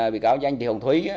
bị cáo danh thị hồng thúy